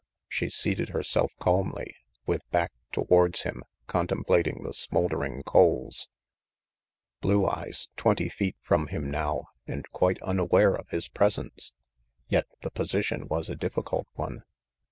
She seated herself calmly, with back towards him, contemplating the smouldering coals. 7* RANGY PETE Blue Eyes twenty feet from him now, and quite unaware of his presence! Yet the position was a difficult one.